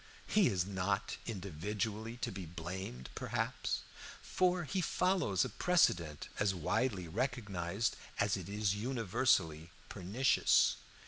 He is not individually to be blamed, perhaps, for he follows a precedent as widely recognized as it is universally pernicious.